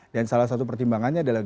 dan salah satu pertimbangannya adalah